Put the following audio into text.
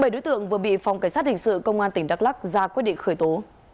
bảy đối tượng vừa bị phòng cảnh sát hình sự công an tỉnh đắk lắc ra quyết định khởi tố